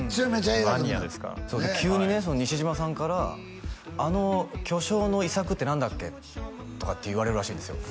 マニアですから急にね西島さんからあの巨匠の遺作って何だっけ？とかって言われるらしいんですよ